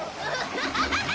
ハハハハ！